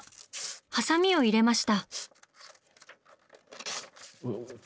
ハサミを入れました！